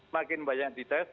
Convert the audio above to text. makin banyak dites